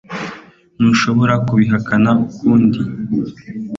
ntushobora kubihakana ukundi